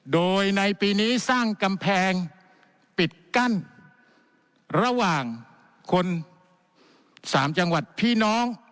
โดยในปีนี้สร้างกำแพงปิดกั้นระหว่างคนสามจังหวัดพี่น้อง